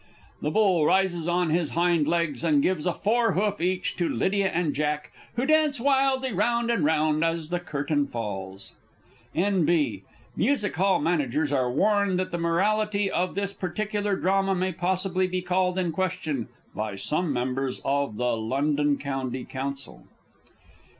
[The Bull rises on his hindlegs, and gives a forehoof each to LYDIA and JACK, who dance wildly round and round as the Curtain falls. [N.B. Music hall Managers are warned that the morality of this particular Drama may possibly be called in question by some members of the L. C. C.] IX.